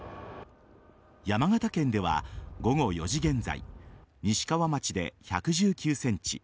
山形県では午後４時現在西川町で１１９ｃｍ